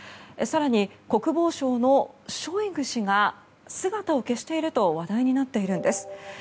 更に、国防省のショイグ氏が姿を消していると話題になっているんです。